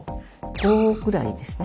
５くらいですね。